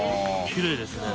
きれいですね。